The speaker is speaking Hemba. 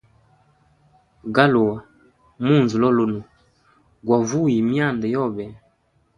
Galua munza lolunwe gwa vuye myanda yobe.